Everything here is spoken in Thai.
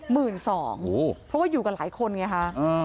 เพราะว่าอยู่กันหลายคนไงคะ